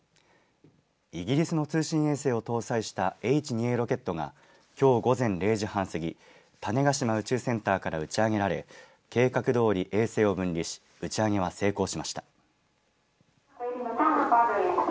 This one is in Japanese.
イギリスの通信衛星を搭載したＨ２Ａロケットがきょう午前０時半過ぎ種子島宇宙センターから打ち上げられ計画どおり衛星を分離し打ち上げは成功しました。